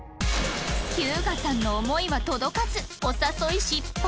日向さんの思いは届かずお誘い失敗